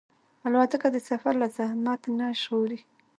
الوتکه د سفر له زحمت نه ژغوري.